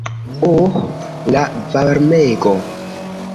Uh, la varmego!